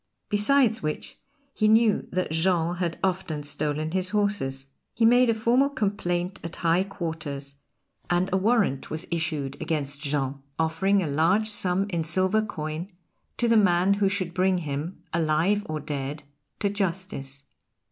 Besides which he knew that Jean had often stolen his horses. He made a formal complaint at high quarters, and a warrant was issued against Jean, offering a large sum in silver coin to the man who should bring him, alive or dead, to justice.